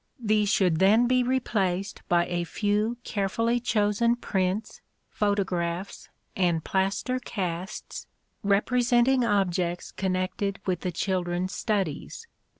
These should then be replaced by a few carefully chosen prints, photographs and plaster casts, representing objects connected with the children's studies.